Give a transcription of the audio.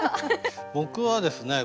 僕はですね